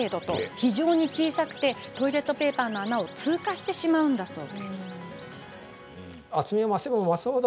非常に小さくトイレットペーパーの穴を通過してしまうんだそう。